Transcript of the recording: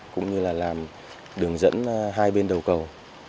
cũng như là làm đường dẫn hai bên đầu cầu